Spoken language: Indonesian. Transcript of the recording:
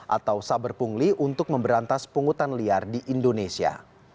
atau saber pungli untuk memberantas pungutan liar di indonesia